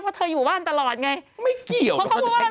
ไม่เกี่ยวคนจะใช้หน้าอะไรได้เยอะแค่ไหน